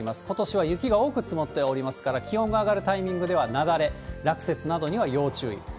ことしは雪が多く積もっておりますから、気温が上がるタイミングでは雪崩、落雪などには要注意。